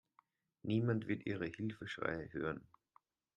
Niemand wird Ihre Hilfeschreie hören.